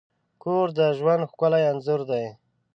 کور د ژوند ښکلی انځور دی.